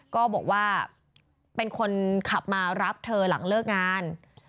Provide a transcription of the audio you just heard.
ก็บอกว่าเป็นคนขับมารับเธอหลังเลิกงาน